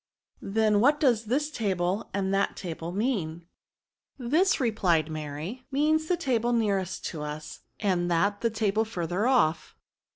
*^ Then, what does this table and that table mean ?"" This*^ replied Mary, " means the table nearest to us ; and that the table farther off."